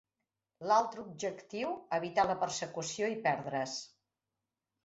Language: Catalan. L"altre objectiu, evitar la persecució i perdre"s.